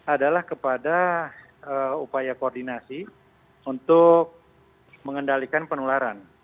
adalah kepada upaya koordinasi untuk mengendalikan penularan